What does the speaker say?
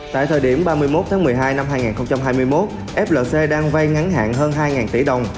tại thời điểm ba mươi một tháng một mươi hai năm hai nghìn hai mươi một flc đang vay ngắn hạn hơn hai tỷ đồng